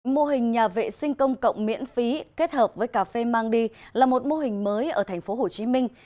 mô hình nhà vệ sinh công cộng miễn phí kết hợp với cà phê mang đi là một mô hình mới ở thành phố hồ chí minh